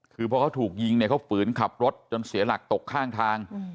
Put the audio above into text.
คือพอเขาถูกยิงเนี่ยเขาฝืนขับรถจนเสียหลักตกข้างทาง